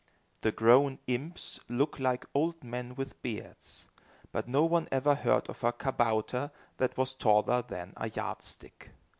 The grown imps look like old men with beards, but no one ever heard of a kabouter that was taller than a yardstick.